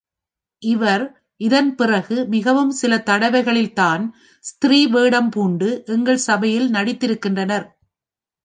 இவர் இதன்பிறகு மிகவும் சில தடவைகளில்தான் ஸ்திரீ வேடம் பூண்டு எங்கள் சபையில் நடித்திருக்கின்றனர்.